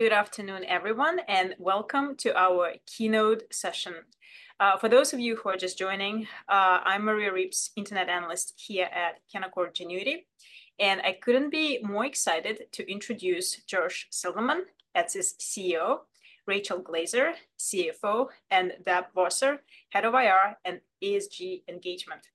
Good afternoon, everyone, and welcome to our keynote session. For those of you who are just joining, I'm Maria Ripps, Internet analyst here at Canaccord Genuity, and I couldn't be more excited to introduce Josh Silverman, Etsy's CEO, Rachel Glaser, CFO, and Debra Wasser, Head of IR and ESG Engagement.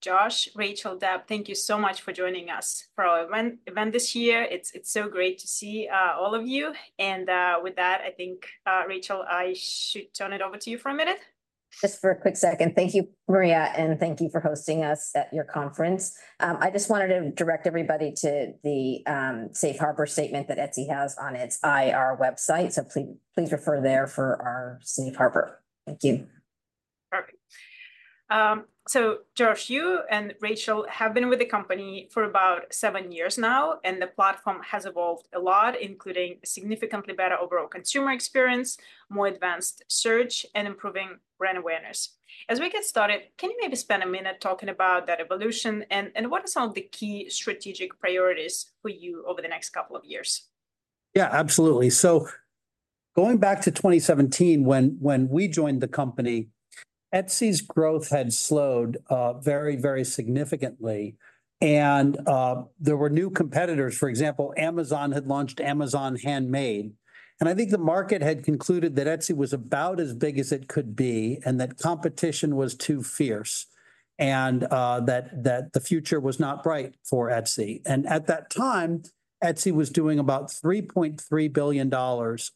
Josh, Rachel, Deb, thank you so much for joining us for our event this year. It's so great to see all of you. And with that, I think, Rachel, I should turn it over to you for a minute. Just for a quick second, thank you, Maria, and thank you for hosting us at your conference. I just wanted to direct everybody to the Safe Harbor statement that Etsy has on its IR website, so please refer there for our Safe Harbor. Thank you. Perfect. So, Josh, you and Rachel have been with the company for about 7 years now, and the platform has evolved a lot, including a significantly better overall consumer experience, more advanced search, and improving brand awareness. As we get started, can you maybe spend a minute talking about that evolution, and what are some of the key strategic priorities for you over the next couple of years? Yeah, absolutely. So going back to 2017, when we joined the company, Etsy's growth had slowed very, very significantly, and there were new competitors. For example, Amazon had launched Amazon Handmade, and I think the market had concluded that Etsy was about as big as it could be and that competition was too fierce and that the future was not bright for Etsy. And at that time, Etsy was doing about $3.3 billion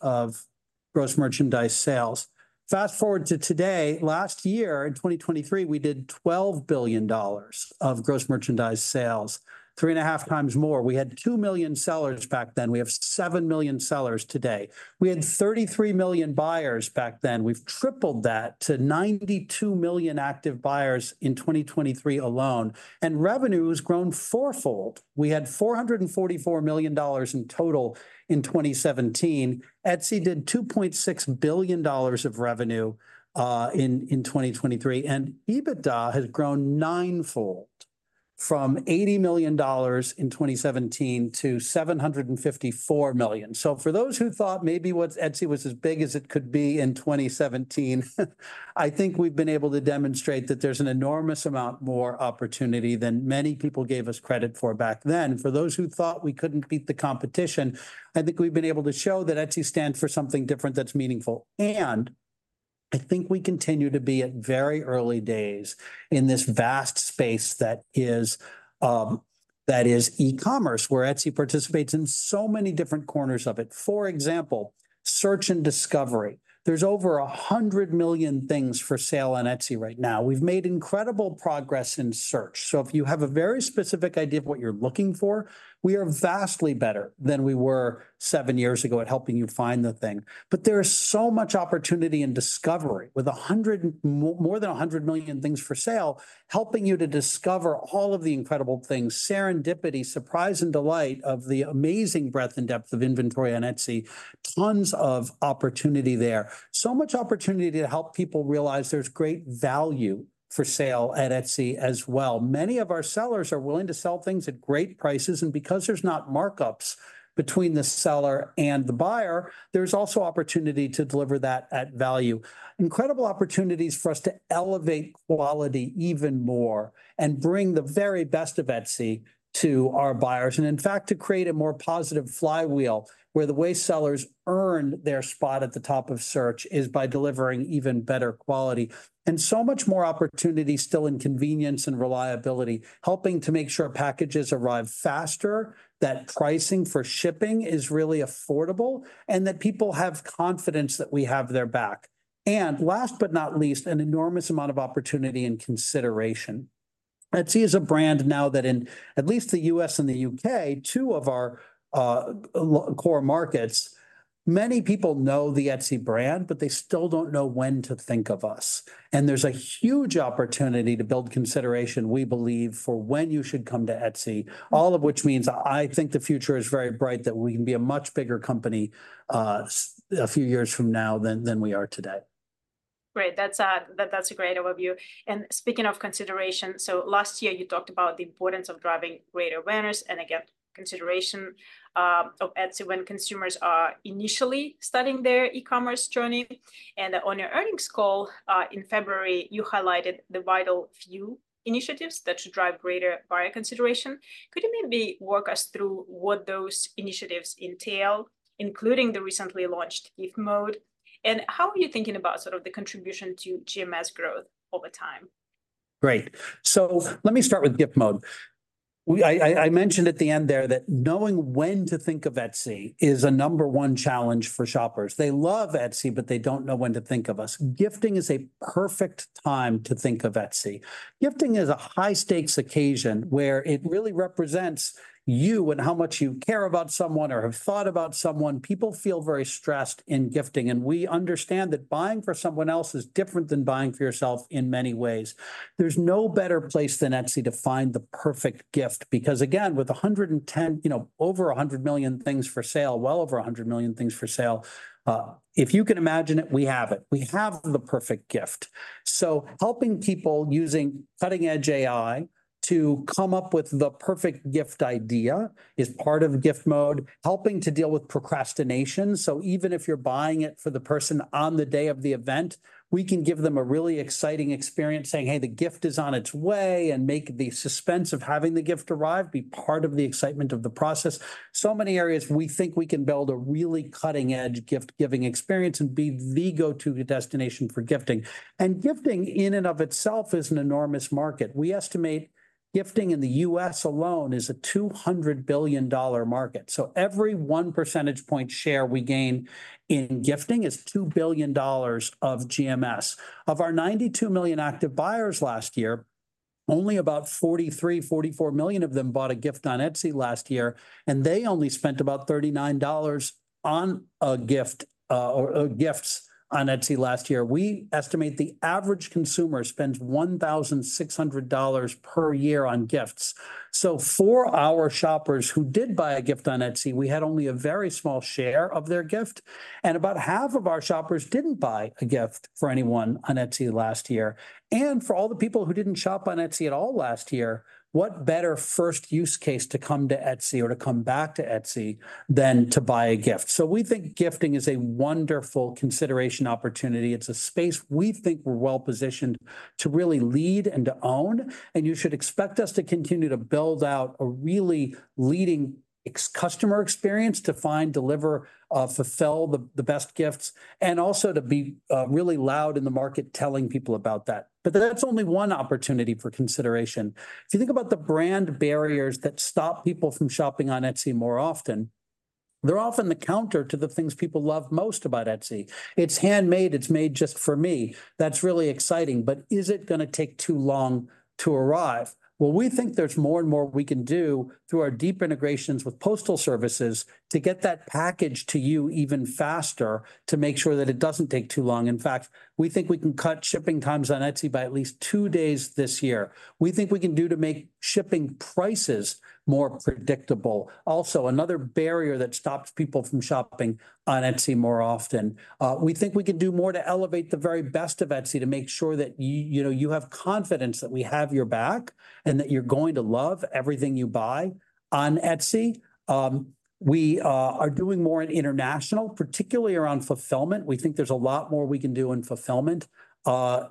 of gross merchandise sales. Fast forward to today. Last year, in 2023, we did $12 billion of gross merchandise sales, 3.5 times more. We had 2 million sellers back then. We have 7 million sellers today. We had 33 million buyers back then. We've tripled that to 92 million active buyers in 2023 alone, and revenue has grown fourfold. We had $444 million in total in 2017. Etsy did $2.6 billion of revenue in 2023, and EBITDA has grown ninefold from $80 million in 2017 to $754 million. So for those who thought maybe Etsy was as big as it could be in 2017, I think we've been able to demonstrate that there's an enormous amount more opportunity than many people gave us credit for back then. For those who thought we couldn't beat the competition, I think we've been able to show that Etsy stands for something different that's meaningful. And I think we continue to be at very early days in this vast space that is e-commerce, where Etsy participates in so many different corners of it. For example, search and discovery. There's over 100 million things for sale on Etsy right now. We've made incredible progress in search. So if you have a very specific idea of what you're looking for, we are vastly better than we were 7 years ago at helping you find the thing. But there is so much opportunity in discovery, with more than 100 million things for sale helping you to discover all of the incredible things, serendipity, surprise, and delight of the amazing breadth and depth of inventory on Etsy. Tons of opportunity there. So much opportunity to help people realize there's great value for sale at Etsy as well. Many of our sellers are willing to sell things at great prices, and because there's not markups between the seller and the buyer, there's also opportunity to deliver that at value. Incredible opportunities for us to elevate quality even more and bring the very best of Etsy to our buyers, and in fact, to create a more positive flywheel where the way sellers earn their spot at the top of search is by delivering even better quality. So much more opportunity still in convenience and reliability, helping to make sure packages arrive faster, that pricing for shipping is really affordable, and that people have confidence that we have their back. Last but not least, an enormous amount of opportunity and consideration. Etsy is a brand now that in at least the U.S. and the U.K., two of our core markets, many people know the Etsy brand, but they still don't know when to think of us. There's a huge opportunity to build consideration, we believe, for when you should come to Etsy, all of which means I think the future is very bright, that we can be a much bigger company a few years from now than we are today. Great. That's a great overview. Speaking of consideration, last year you talked about the importance of driving greater awareness and, again, consideration of Etsy when consumers are initially starting their e-commerce journey. On your earnings call in February, you highlighted the Vital Few initiatives that should drive greater buyer consideration. Could you maybe walk us through what those initiatives entail, including the recently launched Gift Mode? How are you thinking about sort of the contribution to GMS growth over time? Great. So let me start with Gift Mode. I mentioned at the end there that knowing when to think of Etsy is a number one challenge for shoppers. They love Etsy, but they don't know when to think of us. Gifting is a perfect time to think of Etsy. Gifting is a high-stakes occasion where it really represents you and how much you care about someone or have thought about someone. People feel very stressed in gifting, and we understand that buying for someone else is different than buying for yourself in many ways. There's no better place than Etsy to find the perfect gift because, again, with over 100 million things for sale, well over 100 million things for sale, if you can imagine it, we have it. We have the perfect gift. So helping people using cutting-edge AI to come up with the perfect gift idea is part of Gift Mode. Helping to deal with procrastination. So even if you're buying it for the person on the day of the event, we can give them a really exciting experience saying, hey, the gift is on its way, and make the suspense of having the gift arrive be part of the excitement of the process. So many areas we think we can build a really cutting-edge gift-giving experience and be the go-to destination for gifting. And gifting in and of itself is an enormous market. We estimate gifting in the U.S. alone is a $200 billion market. So every 1 percentage point share we gain in gifting is $2 billion of GMS. Of our 92 million active buyers last year, only about 43-44 million of them bought a gift on Etsy last year, and they only spent about $39 on gifts on Etsy last year. We estimate the average consumer spends $1,600 per year on gifts. For our shoppers who did buy a gift on Etsy, we had only a very small share of their gift, and about half of our shoppers didn't buy a gift for anyone on Etsy last year. For all the people who didn't shop on Etsy at all last year, what better first use case to come to Etsy or to come back to Etsy than to buy a gift? We think gifting is a wonderful consideration opportunity. It's a space we think we're well positioned to really lead and to own, and you should expect us to continue to build out a really leading customer experience to find, deliver, fulfill the best gifts, and also to be really loud in the market telling people about that. But that's only one opportunity for consideration. If you think about the brand barriers that stop people from shopping on Etsy more often, they're often the counter to the things people love most about Etsy. It's handmade. It's made just for me. That's really exciting. But is it going to take too long to arrive? Well, we think there's more and more we can do through our deep integrations with postal services to get that package to you even faster to make sure that it doesn't take too long. In fact, we think we can cut shipping times on Etsy by at least two days this year. We think we can do to make shipping prices more predictable. Also, another barrier that stops people from shopping on Etsy more often, we think we can do more to elevate the very best of Etsy to make sure that you have confidence that we have your back and that you're going to love everything you buy on Etsy. We are doing more in international, particularly around fulfillment. We think there's a lot more we can do in fulfillment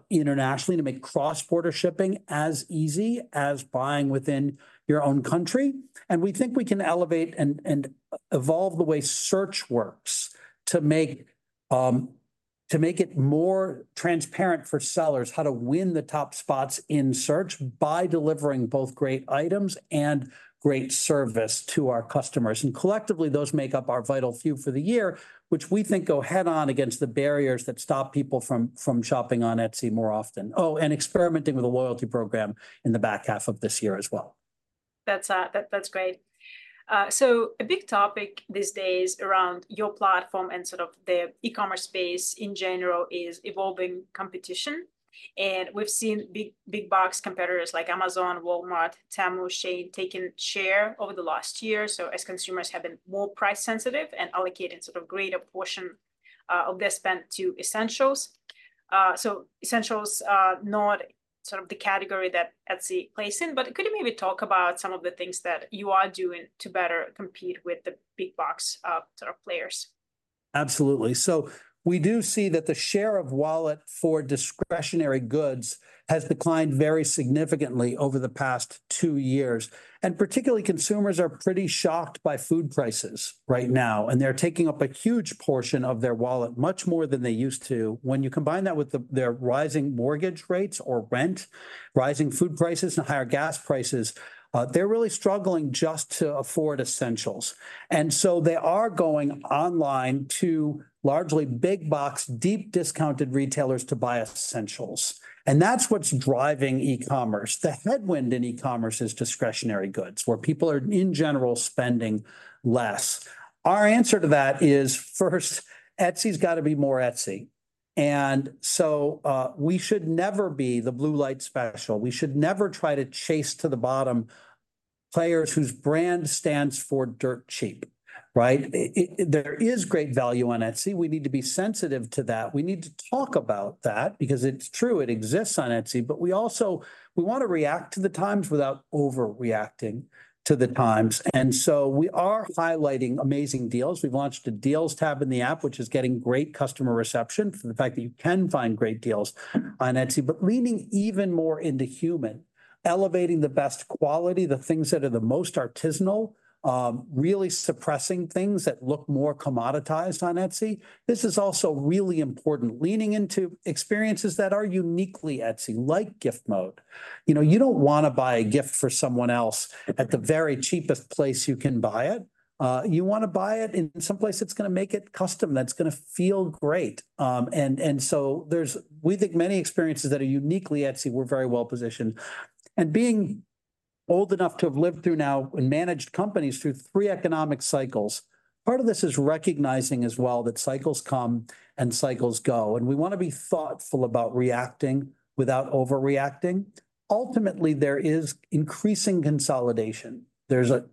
internationally to make cross-border shipping as easy as buying within your own country. We think we can elevate and evolve the way search works to make it more transparent for sellers how to win the top spots in search by delivering both great items and great service to our customers. Collectively, those make up our vital few for the year, which we think go head-on against the barriers that stop people from shopping on Etsy more often. Oh, and experimenting with a loyalty program in the back half of this year as well. That's great. So a big topic these days around your platform and sort of the e-commerce space in general is evolving competition. And we've seen big box competitors like Amazon, Walmart, Temu, Shein taking share over the last year. So as consumers have been more price sensitive and allocating sort of greater portion of their spend to essentials, so essentials, not sort of the category that Etsy plays in. But could you maybe talk about some of the things that you are doing to better compete with the big box players? Absolutely. So we do see that the share of wallet for discretionary goods has declined very significantly over the past two years. And particularly, consumers are pretty shocked by food prices right now, and they're taking up a huge portion of their wallet, much more than they used to. When you combine that with their rising mortgage rates or rent, rising food prices, and higher gas prices, they're really struggling just to afford essentials. And so they are going online to largely big box, deep discounted retailers to buy essentials. And that's what's driving e-commerce. The headwind in e-commerce is discretionary goods, where people are, in general, spending less. Our answer to that is, first, Etsy's got to be more Etsy. And so we should never be the Blue Light Special. We should never try to chase to the bottom players whose brand stands for dirt cheap. There is great value on Etsy. We need to be sensitive to that. We need to talk about that because it's true. It exists on Etsy. But we also want to react to the times without overreacting to the times. So we are highlighting amazing deals. We've launched a Deals tab in the app, which is getting great customer reception for the fact that you can find great deals on Etsy, but leaning even more into human, elevating the best quality, the things that are the most artisanal, really suppressing things that look more commoditized on Etsy. This is also really important, leaning into experiences that are uniquely Etsy, like Gift Mode. You don't want to buy a gift for someone else at the very cheapest place you can buy it. You want to buy it in someplace that's going to make it custom, that's going to feel great. So we think many experiences that are uniquely Etsy, we're very well positioned. Being old enough to have lived through now and managed companies through three economic cycles, part of this is recognizing as well that cycles come and cycles go. We want to be thoughtful about reacting without overreacting. Ultimately, there is increasing consolidation.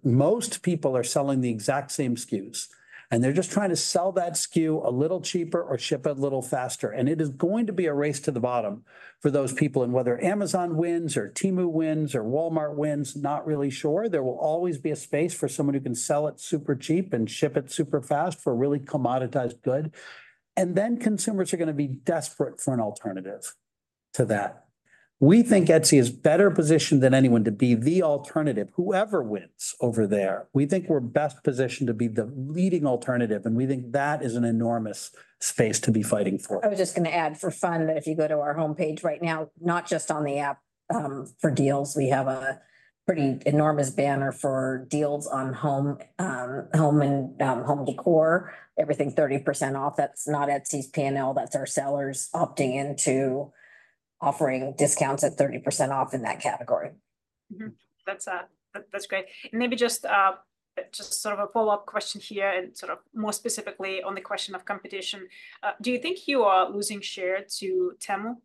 Most people are selling the exact same SKUs, and they're just trying to sell that SKU a little cheaper or ship it a little faster. It is going to be a race to the bottom for those people. Whether Amazon wins or Temu wins or Walmart wins, not really sure. There will always be a space for someone who can sell it super cheap and ship it super fast for a really commoditized good. Then consumers are going to be desperate for an alternative to that. We think Etsy is better positioned than anyone to be the alternative, whoever wins over there. We think we're best positioned to be the leading alternative, and we think that is an enormous space to be fighting for. I was just going to add for fun that if you go to our homepage right now, not just on the app for deals, we have a pretty enormous banner for deals on home and home decor, everything 30% off. That's not Etsy's P&L. That's our sellers opting into offering discounts at 30% off in that category. That's great. Maybe just sort of a follow-up question here and sort of more specifically on the question of competition. Do you think you are losing share to Temu?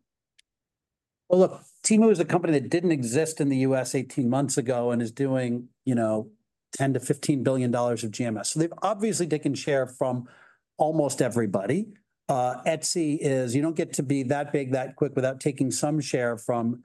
Well, look, Temu is a company that didn't exist in the US 18 months ago and is doing $10 billion-$15 billion of GMS. So they've obviously taken share from almost everybody. Etsy is, you don't get to be that big, that quick without taking some share from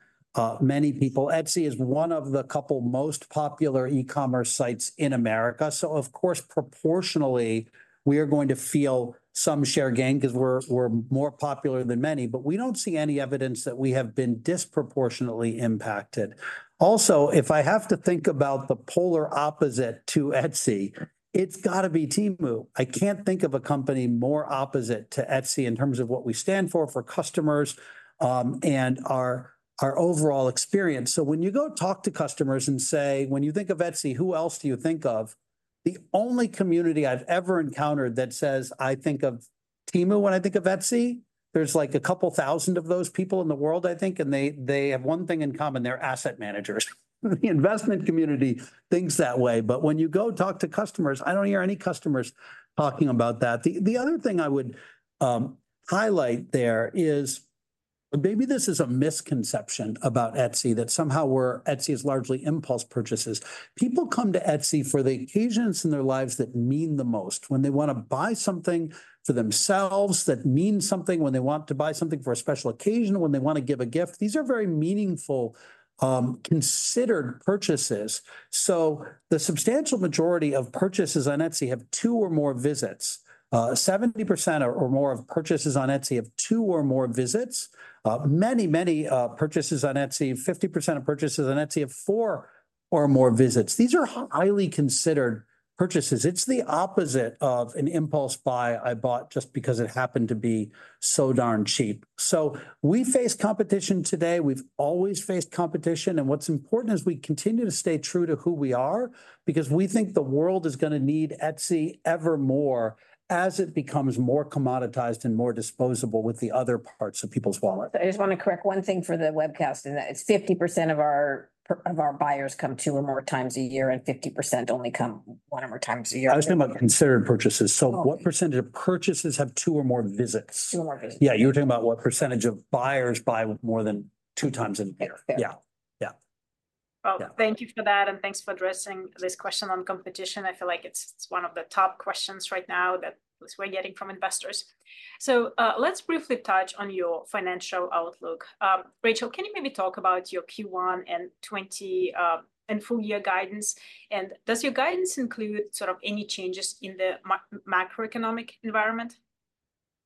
many people. Etsy is one of the couple most popular e-commerce sites in America. So of course, proportionally, we are going to feel some share gain because we're more popular than many. But we don't see any evidence that we have been disproportionately impacted. Also, if I have to think about the polar opposite to Etsy, it's got to be Temu. I can't think of a company more opposite to Etsy in terms of what we stand for, for customers, and our overall experience. So when you go talk to customers and say, when you think of Etsy, who else do you think of? The only community I've ever encountered that says, I think of Temu when I think of Etsy, there's like a couple thousand of those people in the world, I think. And they have one thing in common. They're asset managers. The investment community thinks that way. But when you go talk to customers, I don't hear any customers talking about that. The other thing I would highlight there is maybe this is a misconception about Etsy that somehow Etsy is largely impulse purchases. People come to Etsy for the occasions in their lives that mean the most, when they want to buy something for themselves, that means something, when they want to buy something for a special occasion, when they want to give a gift. These are very meaningful, considered purchases. So the substantial majority of purchases on Etsy have two or more visits. 70% or more of purchases on Etsy have two or more visits. Many, many purchases on Etsy, 50% of purchases on Etsy have four or more visits. These are highly considered purchases. It's the opposite of an impulse buy. I bought just because it happened to be so darn cheap. So we face competition today. We've always faced competition. And what's important is we continue to stay true to who we are because we think the world is going to need Etsy ever more as it becomes more commoditized and more disposable with the other parts of people's wallets. I just want to correct one thing for the webcast in that. It's 50% of our buyers come two or more times a year, and 50% only come one or more times a year. I was talking about considered purchases. What percentage of purchases have two or more visits? 2 or more visits. Yeah. You were talking about what percentage of buyers buy more than two times in a year? That's fair. Yeah. Yeah. Oh, thank you for that. Thanks for addressing this question on competition. I feel like it's one of the top questions right now that we're getting from investors. Let's briefly touch on your financial outlook. Rachel, can you maybe talk about your Q1 and full year guidance? And does your guidance include sort of any changes in the macroeconomic environment?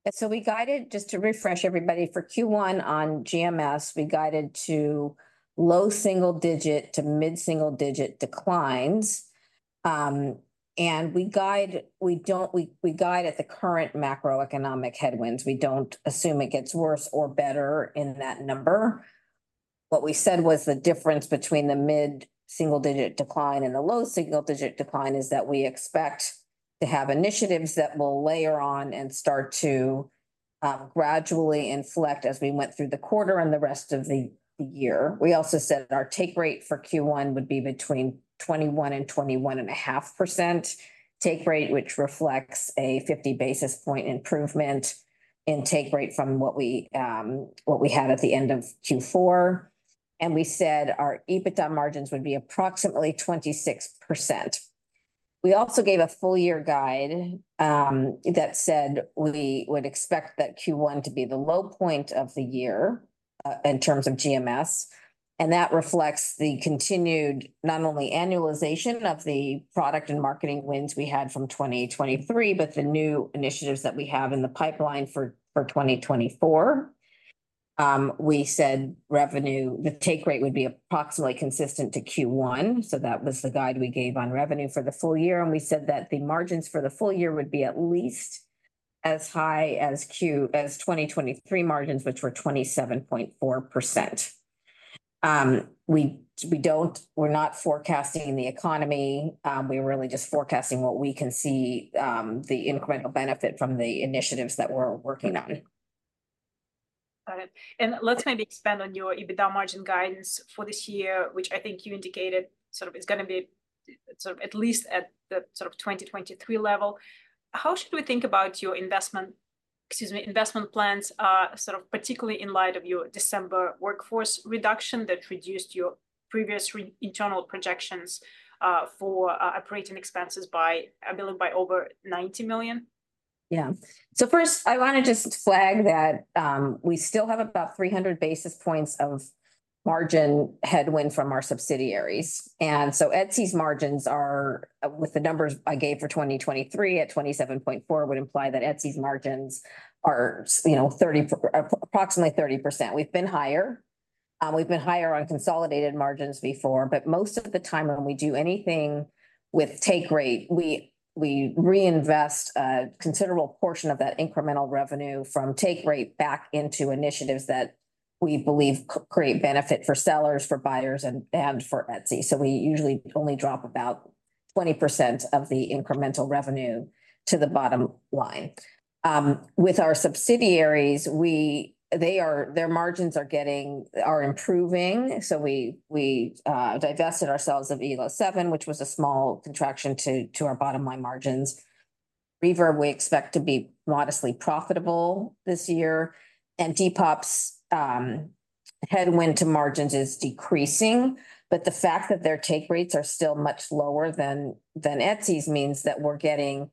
Yeah. So we guided, just to refresh everybody, for Q1 on GMS, we guided to low single digit to mid single digit declines. And we guide at the current macroeconomic headwinds. We don't assume it gets worse or better in that number. What we said was the difference between the mid single digit decline and the low single digit decline is that we expect to have initiatives that will layer on and start to gradually inflect as we went through the quarter and the rest of the year. We also said our take rate for Q1 would be between 21% and 21.5% take rate, which reflects a 50 basis point improvement in take rate from what we had at the end of Q4. And we said our EBITDA margins would be approximately 26%. We also gave a full year guide that said we would expect that Q1 to be the low point of the year in terms of GMS. And that reflects the continued not only annualization of the product and marketing wins we had from 2023, but the new initiatives that we have in the pipeline for 2024. We said revenue, the take rate would be approximately consistent to Q1. So that was the guide we gave on revenue for the full year. And we said that the margins for the full year would be at least as high as 2023 margins, which were 27.4%. We're not forecasting the economy. We're really just forecasting what we can see, the incremental benefit from the initiatives that we're working on. Got it. Let's maybe expand on your EBITDA margin guidance for this year, which I think you indicated sort of is going to be sort of at least at the sort of 2023 level. How should we think about your investment plans, sort of particularly in light of your December workforce reduction that reduced your previous internal projections for operating expenses by, I believe, by over $90 million? Yeah. So first, I want to just flag that we still have about 300 basis points of margin headwind from our subsidiaries. So Etsy's margins are, with the numbers I gave for 2023 at 27.4%, would imply that Etsy's margins are approximately 30%. We've been higher. We've been higher on consolidated margins before. But most of the time when we do anything with take rate, we reinvest a considerable portion of that incremental revenue from take rate back into initiatives that we believe create benefit for sellers, for buyers, and for Etsy. So we usually only drop about 20% of the incremental revenue to the bottom line. With our subsidiaries, their margins are improving. So we divested ourselves of Elo7, which was a small contraction to our bottom line margins. Reverb, we expect to be modestly profitable this year. And Depop's headwind to margins is decreasing. But the fact that their take rates are still much lower than Etsy's means that we're getting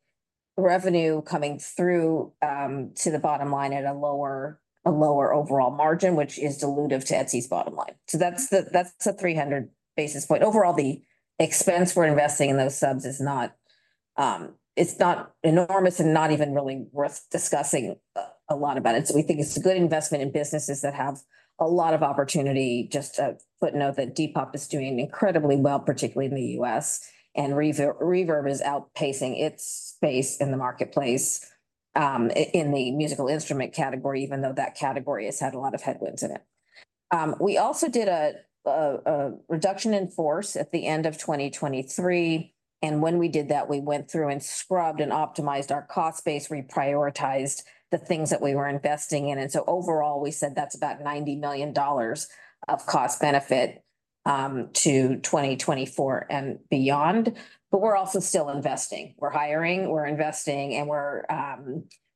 revenue coming through to the bottom line at a lower overall margin, which is dilutive to Etsy's bottom line. So that's the 300 basis point. Overall, the expense we're investing in those subs is not enormous and not even really worth discussing a lot about it. So we think it's a good investment in businesses that have a lot of opportunity. Just a footnote that Depop is doing incredibly well, particularly in the U.S. And Reverb is outpacing its space in the marketplace in the musical instrument category, even though that category has had a lot of headwinds in it. We also did a reduction in force at the end of 2023. When we did that, we went through and scrubbed and optimized our cost base, reprioritized the things that we were investing in. So overall, we said that's about $90 million of cost benefit to 2024 and beyond. But we're also still investing. We're hiring. We're investing. And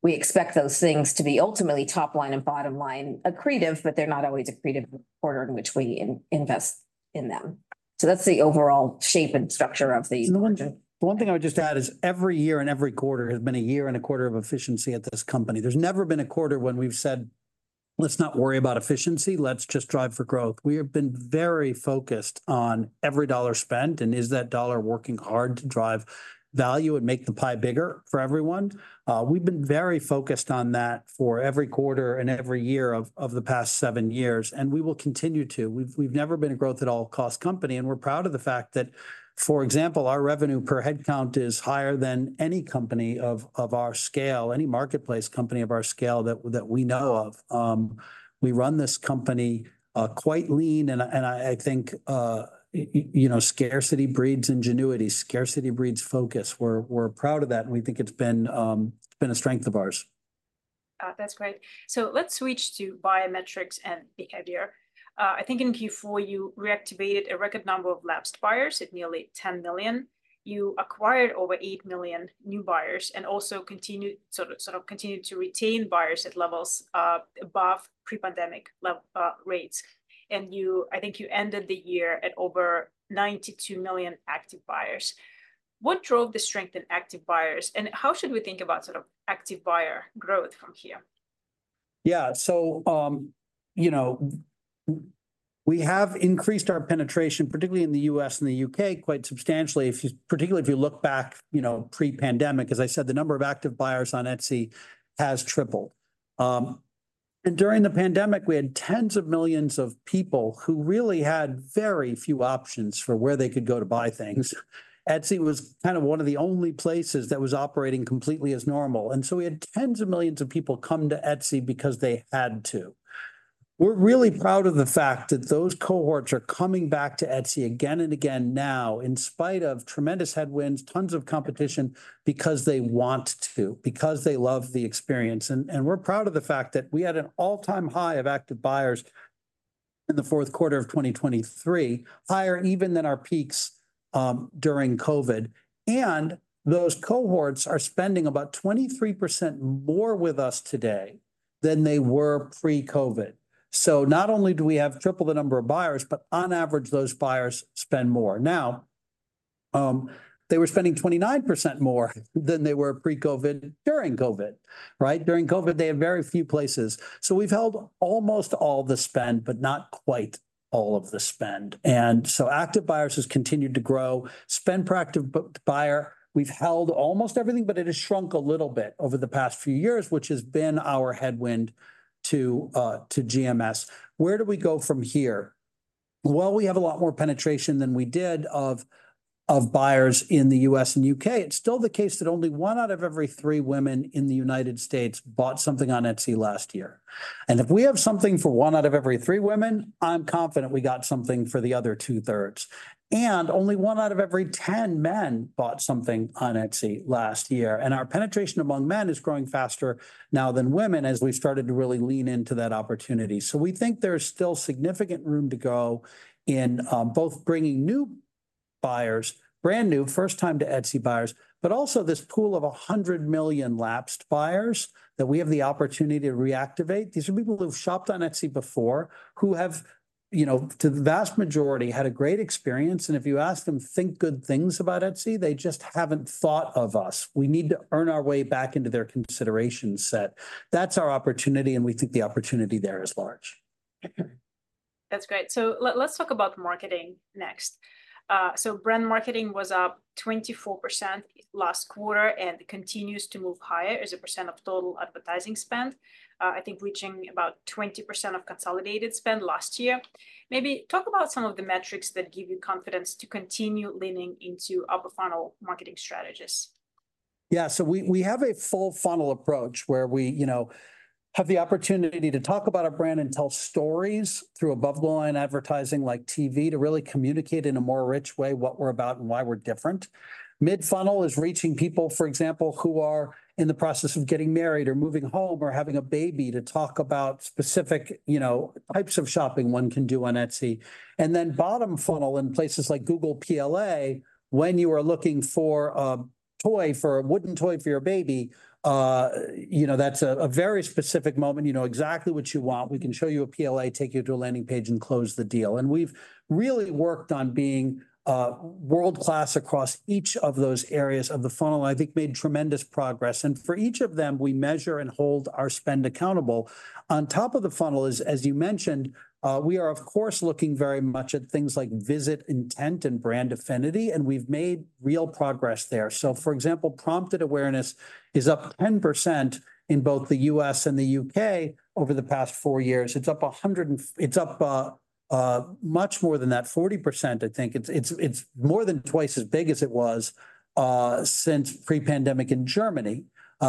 we expect those things to be ultimately top line and bottom line accretive, but they're not always accretive in the quarter in which we invest in them. So that's the overall shape and structure of the margin. The one thing I would just add is every year and every quarter has been a year and a quarter of efficiency at this company. There's never been a quarter when we've said, let's not worry about efficiency. Let's just drive for growth. We have been very focused on every dollar spent. Is that dollar working hard to drive value and make the pie bigger for everyone? We've been very focused on that for every quarter and every year of the past seven years. We will continue to. We've never been a growth at all cost company. We're proud of the fact that, for example, our revenue per headcount is higher than any company of our scale, any marketplace company of our scale that we know of. We run this company quite lean. I think scarcity breeds ingenuity. Scarcity breeds focus. We're proud of that. We think it's been a strength of ours. That's great. So let's switch to buyer metrics and behavior. I think in Q4, you reactivated a record number of lapsed buyers at nearly $10 million. You acquired over 8 million new buyers and also sort of continued to retain buyers at levels above pre-pandemic rates. And I think you ended the year at over 92 million active buyers. What drove the strength in active buyers? And how should we think about sort of active buyer growth from here? Yeah. So we have increased our penetration, particularly in the U.S. and the U.K., quite substantially, particularly if you look back pre-pandemic. As I said, the number of active buyers on Etsy has tripled. And during the pandemic, we had tens of millions of people who really had very few options for where they could go to buy things. Etsy was kind of one of the only places that was operating completely as normal. And so we had tens of millions of people come to Etsy because they had to. We're really proud of the fact that those cohorts are coming back to Etsy again and again now, in spite of tremendous headwinds, tons of competition, because they want to, because they love the experience. We're proud of the fact that we had an all-time high of active buyers in the fourth quarter of 2023, higher even than our peaks during COVID. Those cohorts are spending about 23% more with us today than they were pre-COVID. Not only do we have triple the number of buyers, but on average, those buyers spend more. Now, they were spending 29% more than they were pre-COVID during COVID. During COVID, they had very few places. We've held almost all the spend, but not quite all of the spend. Active buyers have continued to grow. Spend per active buyer, we've held almost everything, but it has shrunk a little bit over the past few years, which has been our headwind to GMS. Where do we go from here? Well, we have a lot more penetration than we did of buyers in the U.S. and U.K. It's still the case that only one out of every three women in the United States bought something on Etsy last year. And if we have something for one out of every three women, I'm confident we got something for the other two-thirds. And only one out of every 10 men bought something on Etsy last year. And our penetration among men is growing faster now than women as we've started to really lean into that opportunity. So we think there's still significant room to go in both bringing new buyers, brand new, first-time to Etsy buyers, but also this pool of 100 million lapsed buyers that we have the opportunity to reactivate. These are people who have shopped on Etsy before, who have, to the vast majority, had a great experience. If you ask them, think good things about Etsy, they just haven't thought of us. We need to earn our way back into their consideration set. That's our opportunity. We think the opportunity there is large. That's great. Let's talk about marketing next. Brand marketing was up 24% last quarter and continues to move higher as a percent of total advertising spend, I think reaching about 20% of consolidated spend last year. Maybe talk about some of the metrics that give you confidence to continue leaning into upper funnel marketing strategies. Yeah. So we have a full funnel approach where we have the opportunity to talk about our brand and tell stories through above-the-line advertising like TV to really communicate in a more rich way what we're about and why we're different. Mid funnel is reaching people, for example, who are in the process of getting married or moving home or having a baby to talk about specific types of shopping one can do on Etsy. And then bottom funnel in places like Google PLA, when you are looking for a toy, for a wooden toy for your baby, that's a very specific moment. You know exactly what you want. We can show you a PLA, take you to a landing page, and close the deal. And we've really worked on being world-class across each of those areas of the funnel. I think made tremendous progress. For each of them, we measure and hold our spend accountable. On top of the funnel, as you mentioned, we are, of course, looking very much at things like visit intent and brand affinity. And we've made real progress there. So, for example, prompted awareness is up 10% in both the U.S. and the U.K. over the past four years. It's up much more than that, 40%, I think. It's more than twice as big as it was since pre-pandemic in Germany.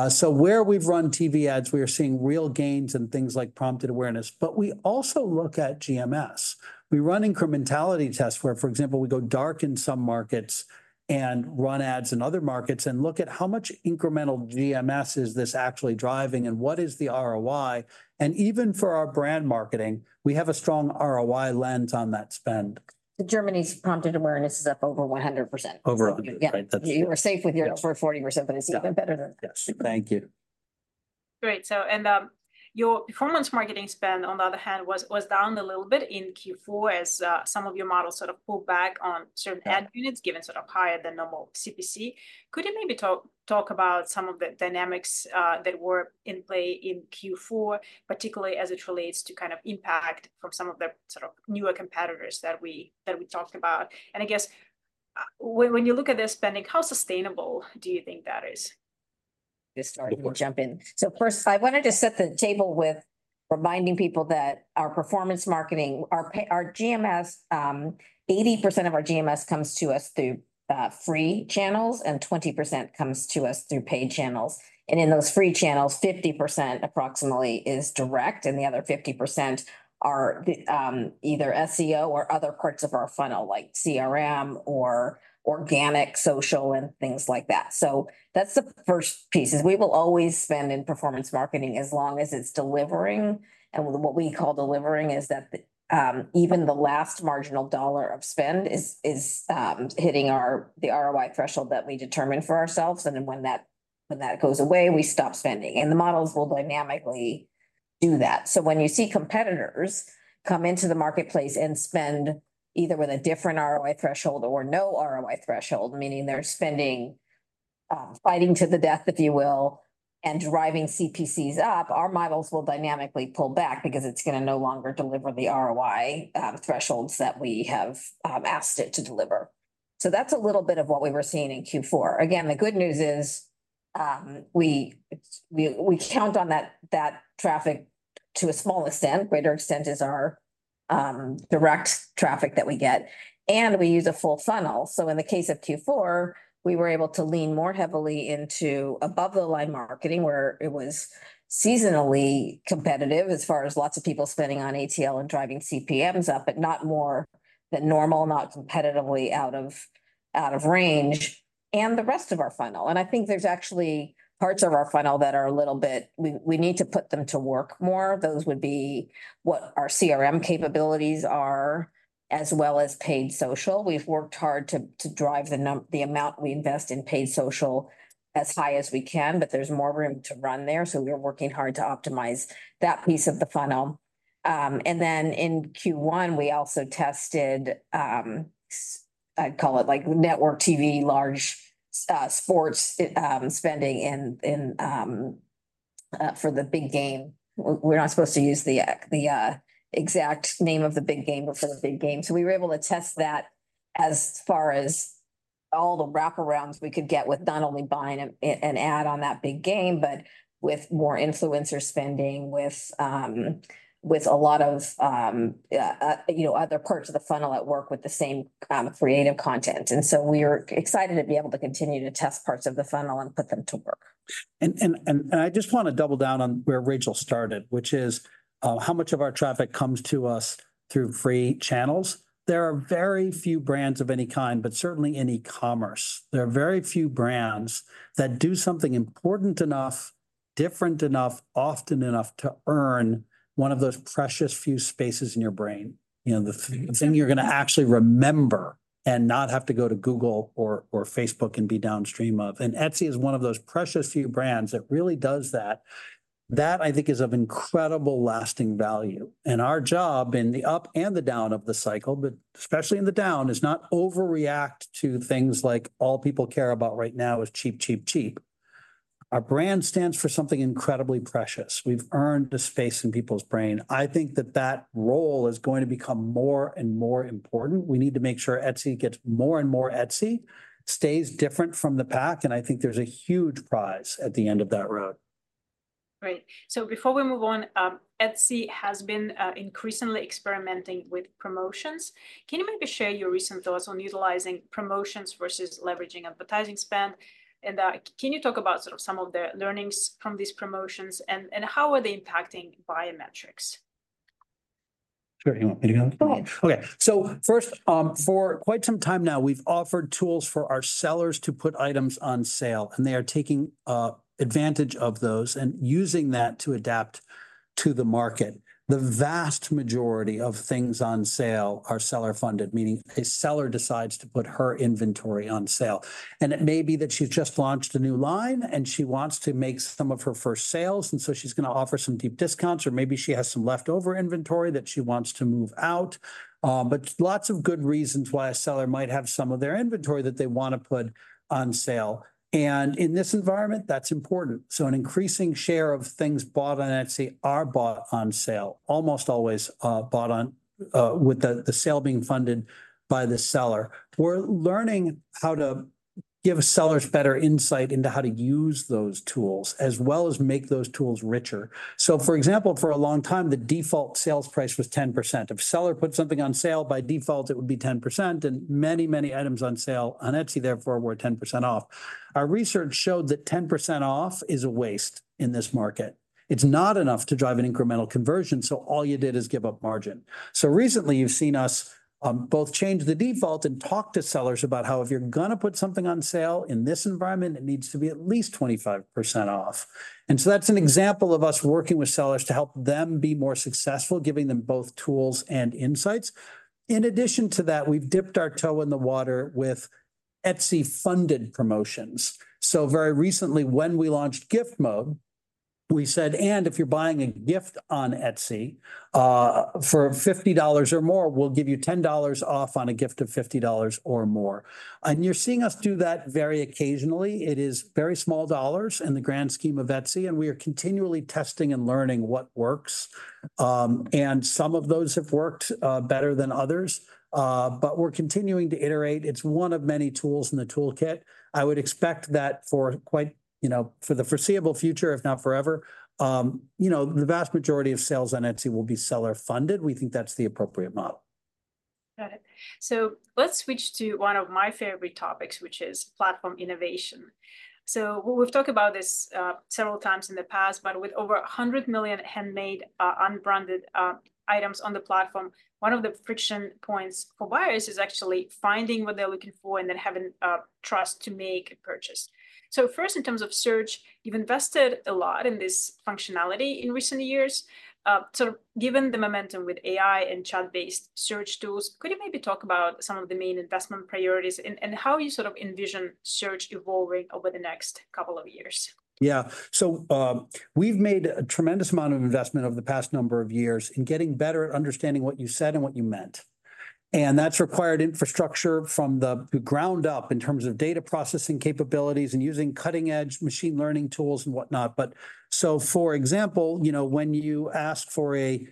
So where we've run TV ads, we are seeing real gains in things like prompted awareness. But we also look at GMS. We run incrementality tests where, for example, we go dark in some markets and run ads in other markets and look at how much incremental GMS is this actually driving and what is the ROI. Even for our brand marketing, we have a strong ROI lens on that spend. Germany's prompted awareness is up over 100%. Over 100%, right? Yeah. You are safe with your 40%, but it's even better than that. Yes. Thank you. Great. Your performance marketing spend, on the other hand, was down a little bit in Q4 as some of your models sort of pulled back on certain ad units given sort of higher than normal CPC. Could you maybe talk about some of the dynamics that were in play in Q4, particularly as it relates to kind of impact from some of the sort of newer competitors that we talked about? I guess when you look at this spending, how sustainable do you think that is? Just – sorry, let me jump in. So first, I wanted to set the table with reminding people that our performance marketing, our GMS, 80% of our GMS comes to us through free channels and 20% comes to us through paid channels. And in those free channels, 50% approximately is direct. And the other 50% are either SEO or other parts of our funnel, like CRM or organic social and things like that. So that's the first piece is we will always spend in performance marketing as long as it's delivering. And what we call delivering is that even the last marginal dollar of spend is hitting the ROI threshold that we determine for ourselves. And then when that goes away, we stop spending. And the models will dynamically do that. So when you see competitors come into the marketplace and spend either with a different ROI threshold or no ROI threshold, meaning they're spending fighting to the death, if you will, and driving CPCs up, our models will dynamically pull back because it's going to no longer deliver the ROI thresholds that we have asked it to deliver. So that's a little bit of what we were seeing in Q4. Again, the good news is we count on that traffic to a small extent. Greater extent is our direct traffic that we get. And we use a full funnel. So in the case of Q4, we were able to lean more heavily into above-the-line marketing where it was seasonally competitive as far as lots of people spending on ATL and driving CPMs up, but not more than normal, not competitively out of range, and the rest of our funnel. I think there's actually parts of our funnel that are a little bit we need to put them to work more. Those would be what our CRM capabilities are, as well as paid social. We've worked hard to drive the amount we invest in paid social as high as we can. But there's more room to run there. So we're working hard to optimize that piece of the funnel. And then in Q1, we also tested, I'd call it like network TV, large sports spending for the big game. We're not supposed to use the exact name of the big game before the big game. So we were able to test that as far as all the wraparounds we could get with not only buying an ad on that big game, but with more influencer spending, with a lot of other parts of the funnel at work with the same creative content. And so we are excited to be able to continue to test parts of the funnel and put them to work. And I just want to double down on where Rachel started, which is how much of our traffic comes to us through free channels. There are very few brands of any kind, but certainly in e-commerce, there are very few brands that do something important enough, different enough, often enough to earn one of those precious few spaces in your brain, the thing you're going to actually remember and not have to go to Google or Facebook and be downstream of. And Etsy is one of those precious few brands that really does that. That, I think, is of incredible lasting value. And our job in the up and the down of the cycle, but especially in the down, is not overreact to things like all people care about right now is cheap, cheap, cheap. Our brand stands for something incredibly precious. We've earned a space in people's brain. I think that that role is going to become more and more important. We need to make sure Etsy gets more and more Etsy, stays different from the pack. I think there's a huge prize at the end of that road. Great. So before we move on, Etsy has been increasingly experimenting with promotions. Can you maybe share your recent thoughts on utilizing promotions versus leveraging advertising spend? Can you talk about sort of some of the learnings from these promotions? How are they impacting metrics? Sure. You want me to go? Go ahead. OK. So first, for quite some time now, we've offered tools for our sellers to put items on sale. They are taking advantage of those and using that to adapt to the market. The vast majority of things on sale are seller-funded, meaning a seller decides to put her inventory on sale. It may be that she's just launched a new line, and she wants to make some of her first sales. She's going to offer some deep discounts. Maybe she has some leftover inventory that she wants to move out. Lots of good reasons why a seller might have some of their inventory that they want to put on sale. In this environment, that's important. An increasing share of things bought on Etsy are bought on sale, almost always bought with the sale being funded by the seller. We're learning how to give sellers better insight into how to use those tools, as well as make those tools richer. So, for example, for a long time, the default sales price was 10%. If a seller put something on sale, by default, it would be 10%. And many, many items on sale on Etsy, therefore, were 10% off. Our research showed that 10% off is a waste in this market. It's not enough to drive an incremental conversion. So all you did is give up margin. So recently, you've seen us both change the default and talk to sellers about how, if you're going to put something on sale in this environment, it needs to be at least 25% off. And so that's an example of us working with sellers to help them be more successful, giving them both tools and insights. In addition to that, we've dipped our toe in the water with Etsy-funded promotions. So very recently, when we launched Gift Mode, we said, and if you're buying a gift on Etsy for $50 or more, we'll give you $10 off on a gift of $50 or more. And you're seeing us do that very occasionally. It is very small dollars in the grand scheme of Etsy. And we are continually testing and learning what works. And some of those have worked better than others. But we're continuing to iterate. It's one of many tools in the toolkit. I would expect that for quite the foreseeable future, if not forever, the vast majority of sales on Etsy will be seller-funded. We think that's the appropriate model. Got it. Let's switch to one of my favorite topics, which is platform innovation. We've talked about this several times in the past. But with over 100 million handmade, unbranded items on the platform, one of the friction points for buyers is actually finding what they're looking for and then having trust to make a purchase. First, in terms of search, you've invested a lot in this functionality in recent years. Sort of given the momentum with AI and chat-based search tools, could you maybe talk about some of the main investment priorities and how you sort of envision search evolving over the next couple of years? Yeah. So we've made a tremendous amount of investment over the past number of years in getting better at understanding what you said and what you meant. And that's required infrastructure from the ground up in terms of data processing capabilities and using cutting-edge machine learning tools and whatnot. But so, for example, when you ask for a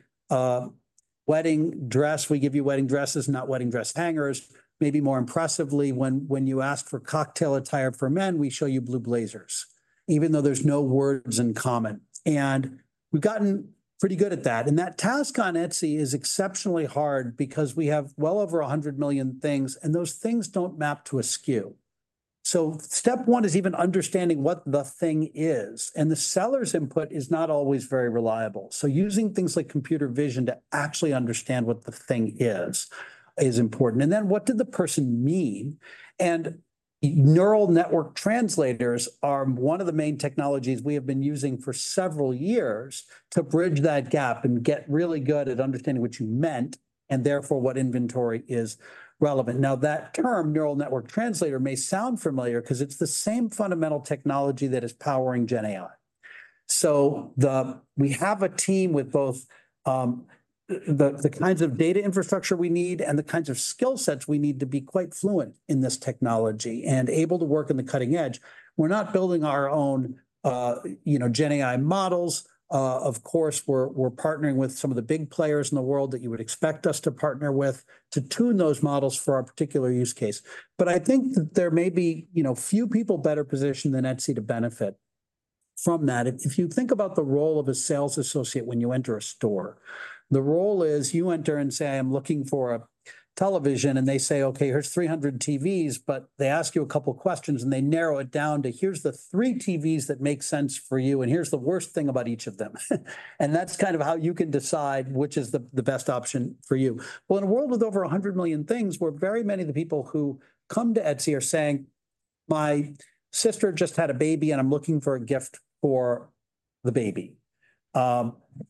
wedding dress, we give you wedding dresses, not wedding dress hangers. Maybe more impressively, when you ask for cocktail attire for men, we show you blue blazers, even though there's no words in common. And we've gotten pretty good at that. And that task on Etsy is exceptionally hard because we have well over 100 million things. And those things don't map to a SKU. So step one is even understanding what the thing is. And the seller's input is not always very reliable. So using things like computer vision to actually understand what the thing is is important. And then what did the person mean? And neural network translators are one of the main technologies we have been using for several years to bridge that gap and get really good at understanding what you meant and, therefore, what inventory is relevant. Now, that term, neural network translator, may sound familiar because it's the same fundamental technology that is powering Gen AI. So we have a team with both the kinds of data infrastructure we need and the kinds of skill sets we need to be quite fluent in this technology and able to work in the cutting edge. We're not building our own Gen AI models. Of course, we're partnering with some of the big players in the world that you would expect us to partner with to tune those models for our particular use case. But I think that there may be few people better positioned than Etsy to benefit from that. If you think about the role of a sales associate when you enter a store, the role is you enter and say, I am looking for a television. And they say, OK, here's 300 TVs. But they ask you a couple of questions. And they narrow it down to, here's the three TVs that make sense for you. And here's the worst thing about each of them. And that's kind of how you can decide which is the best option for you. Well, in a world with over 100 million things, where very many of the people who come to Etsy are saying, my sister just had a baby, and I'm looking for a gift for the baby,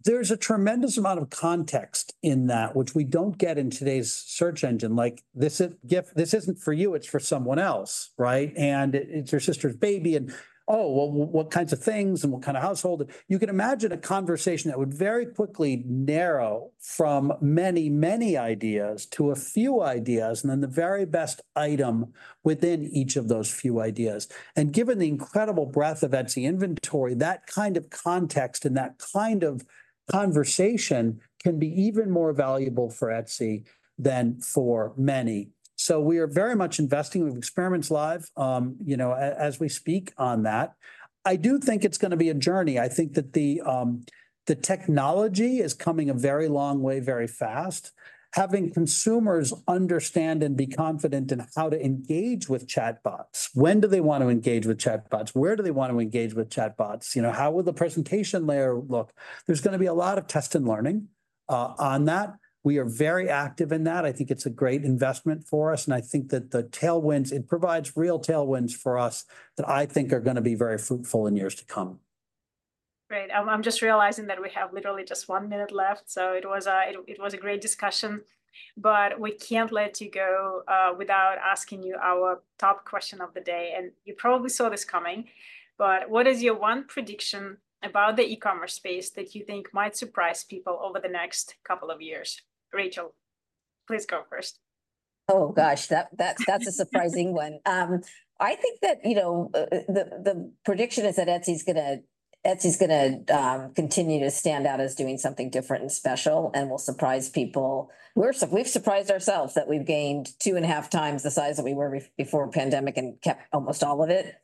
there's a tremendous amount of context in that, which we don't get in today's search engine. Like, this isn't for you. It's for someone else, right? And it's your sister's baby. And oh, well, what kinds of things and what kind of household? You can imagine a conversation that would very quickly narrow from many, many ideas to a few ideas and then the very best item within each of those few ideas. And given the incredible breadth of Etsy inventory, that kind of context and that kind of conversation can be even more valuable for Etsy than for many. So we are very much investing. We've experimented live as we speak on that. I do think it's going to be a journey. I think that the technology is coming a very long way, very fast. Having consumers understand and be confident in how to engage with chatbots, when do they want to engage with chatbots, where do they want to engage with chatbots, how will the presentation layer look, there's going to be a lot of test and learning on that. We are very active in that. I think it's a great investment for us. I think that the tailwinds it provides real tailwinds for us that I think are going to be very fruitful in years to come. Great. I'm just realizing that we have literally just one minute left. So it was a great discussion. But we can't let you go without asking you our top question of the day. And you probably saw this coming. But what is your one prediction about the e-commerce space that you think might surprise people over the next couple of years? Rachel, please go first. Oh, gosh. That's a surprising one. I think that the prediction is that Etsy is going to continue to stand out as doing something different and special and will surprise people. We've surprised ourselves that we've gained 2.5 times the size that we were before the pandemic and kept almost all of it.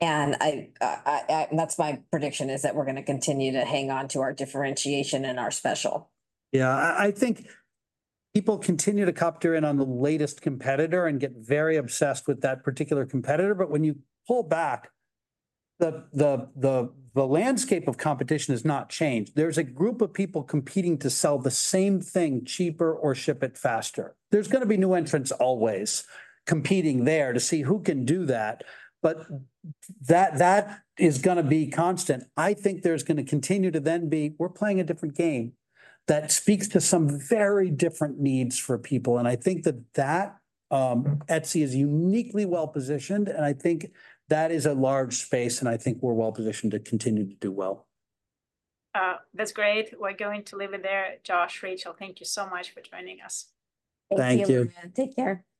And that's my prediction, is that we're going to continue to hang on to our differentiation and our special. Yeah. I think people continue to zero in on the latest competitor and get very obsessed with that particular competitor. But when you pull back, the landscape of competition has not changed. There's a group of people competing to sell the same thing cheaper or ship it faster. There's going to be new entrants always competing there to see who can do that. But that is going to be constant. I think there's going to continue to then be, we're playing a different game that speaks to some very different needs for people. And I think that Etsy is uniquely well-positioned. And I think that is a large space. And I think we're well-positioned to continue to do well. That's great. We're going to leave it there. Josh, Rachel, thank you so much for joining us. Thank you. Take care.